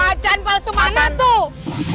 macan palsu mana tuh